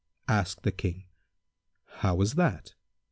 Asked the King, "How was that?"